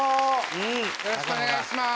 よろしくお願いします。